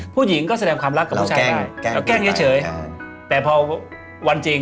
ผู้หญิงก็แสดงความรักกับผู้ชายได้แกล้งเฉยเราแกล้ง